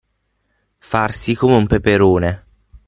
Farsi come un peperone.